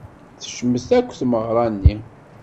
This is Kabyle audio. Tecmet akk tmeɣra-nni.